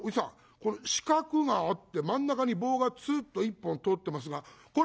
この四角があって真ん中に棒がつうっと１本通ってますがこれは何ですか？」。